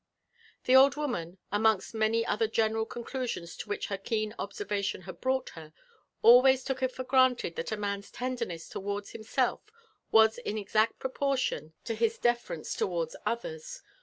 The old woman, amongst many other general concluskma to which her keen observation had brought her, always took it for granted that a man's tenderness towards himself was in exact proportion to his in * 11'* 161 LIFE AND ADVENTURES OF difference towards others.